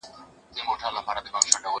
دا زدکړه له هغه ګټوره ده!!